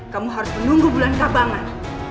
kamu harus menunggu bulan kabangan